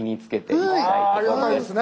ありがたいですね。